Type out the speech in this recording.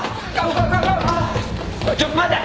ちょっと待て！